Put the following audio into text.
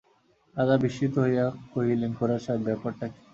রাজা বিস্মিত হইয়া কহিলেন, খুড়াসাহেব, ব্যাপার কী!